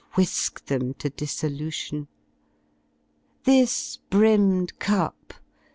Whisk them to dissolution; this brimmed cup.